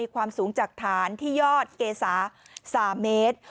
ความสูงจากฐานที่ยอดเกษา๓เมตร